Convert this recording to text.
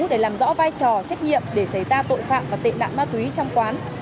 để làm rõ vai trò trách nhiệm để xảy ra tội phạm và tệ nạn ma túy trong quán